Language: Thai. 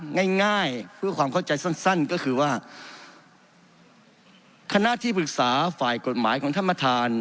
ง่ายง่ายเพื่อความเข้าใจสั้นก็คือว่าคณะที่ปรึกษาฝ่ายกฎหมายของท่านประธาน